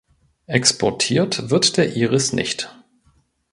Exportiert wird der Iris nicht.